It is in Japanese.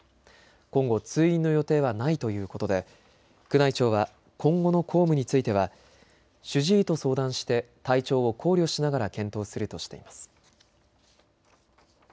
今後、通院の予定はないということで宮内庁は今後の公務については主治医と相談して体調を考慮しながら検討するとしています。